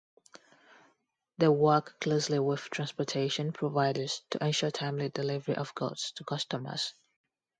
They work closely with transportation providers to ensure timely delivery of goods to customers.